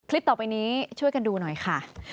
ต่อไปนี้ช่วยกันดูหน่อยค่ะ